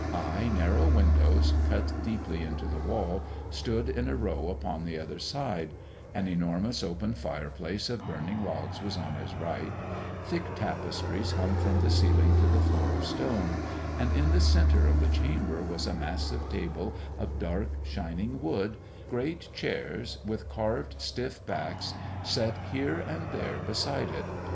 High, narrow windows, cut deeply into the wall, stood in a row upon the other side; an enormous open fireplace of burning logs was on his right; thick tapestries hung from the ceiling to the floor of stone; and in the centre of the chamber was a massive table of dark, shining wood, great chairs with carved stiff backs set here and there beside it.